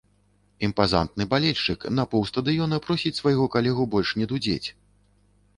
Імпазантны балельшчык на паўстадыёна просіць свайго калегу больш не дудзець.